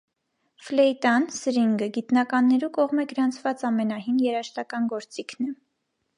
Ֆլէյտան՝ սրինգը, գիտնականներու կողմէ գրանցուած ամենահին երաժշտական գործիքն է։